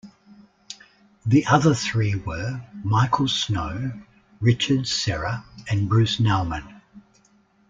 The other three were: Michael Snow, Richard Serra and Bruce Nauman.